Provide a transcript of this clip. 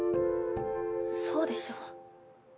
そうでしょ。